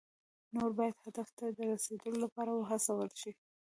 نور باید هدف ته د رسیدو لپاره وهڅول شي.